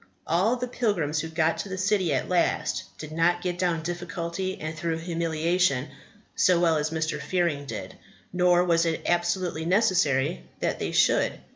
All the pilgrims who got to the City at last did not get down Difficulty and through Humiliation so well as Mr. Fearing did; nor was it absolutely necessary that they should.